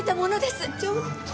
ちょっと。